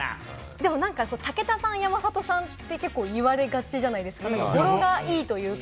でもなんか武田さん、山里さんって言われがちじゃないですか、語呂がいいというか。